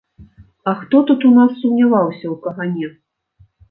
А хто тут у нас сумняваўся ў кагане?